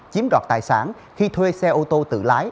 chiếm đoạt tài sản khi thuê xe ô tô tự lái